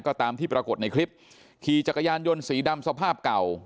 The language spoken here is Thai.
ก็ตามที่ปรากฏในคลิปขี่จักรยานยนต์สีดำสภาพเก่า